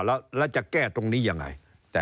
แล้วจะแก้ตรงนี้ยังไง